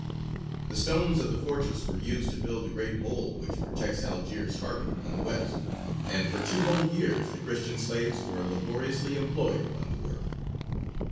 The stones of the fortress were used to build the great mole which protects Algiers harbour on the west, and for two whole years the Christian slaves were laboriously employed upon the work.